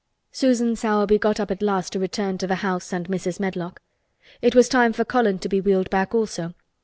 Susan Sowerby got up at last to return to the house and Mrs. Medlock. It was time for Colin to be wheeled back also.